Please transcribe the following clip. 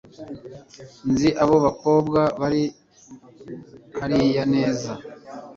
nzi abo bakobwa bari hariya neza